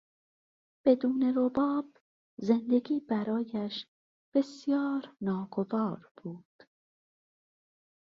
بدون رباب، زندگی برایش بسیار ناگوار بود.